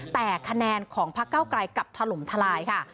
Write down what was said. แต่ขนานของพระเก้ากลายกลับถลุ่มทลายค่ะ